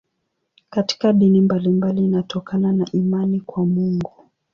Katika dini mbalimbali inatokana na imani kwa Mungu.